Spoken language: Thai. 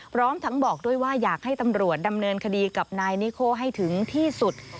พร้อมทั้งบอกด้วยว่าอยากให้ตำรวจดำเนินคดีกับนายนิโคให้ถึงที่สุด